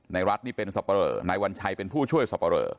รัฐนี่เป็นสับปะเหลอนายวัญชัยเป็นผู้ช่วยสับปะเรอ